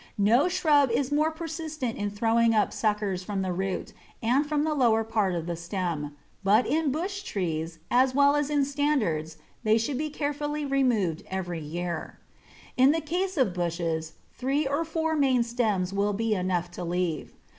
No shrub is more persistent in throwing up suckers from the root and from the lower part of the stem, but in bush trees as well as in standards they should be carefully removed every year. In the case of bushes, three or four main stems will be enough to leave.